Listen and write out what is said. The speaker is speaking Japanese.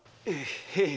へえ。